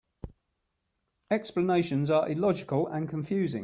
Explanations are illogical and confusing.